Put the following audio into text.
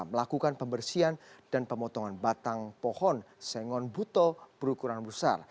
melakukan pembersihan dan pemotongan batang pohon sengon buto berukuran besar